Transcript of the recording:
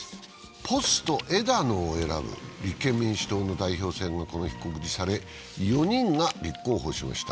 ポスト枝野を選ぶ立憲民主党の代表選がこの日、告示され、４人が立候補しました。